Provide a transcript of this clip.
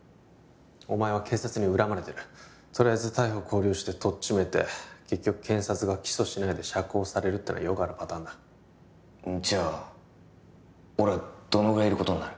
お前は警察に恨まれてるとりあえず逮捕勾留してとっちめて結局検察が起訴しないで釈放されるってのはよくあるパターンだじゃあ俺はどのぐらいいることになる？